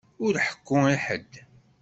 Ur ḥekku i ḥedd!